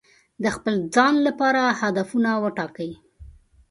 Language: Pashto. د خپل ځان لپاره هدفونه وټاکئ.